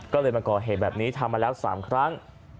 ก็เลยมาก่อเหตุแบบนี้ทำมาแล้ว๓ครั้ง